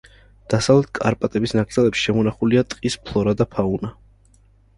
დასავლეთ კარპატების ნაკრძალებში შემონახულია ტყის ფლორა და ფაუნა.